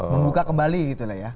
membuka kembali gitu ya